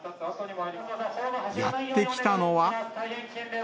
やって来たのは。